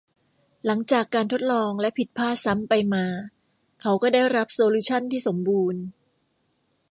หลังจากการทดลองและผิดพลาดซ้ำไปมา เขาก็ได้รับโซลูชั่นที่สมบูรณ์